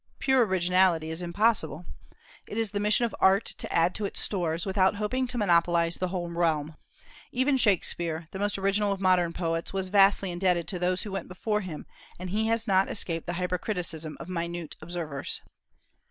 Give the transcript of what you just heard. Pure originality is impossible. It is the mission of art to add to its stores, without hoping to monopolize the whole realm. Even Shakspeare, the most original of modern poets, was vastly indebted to those who went before him, and he has not escaped the hypercriticism of minute observers.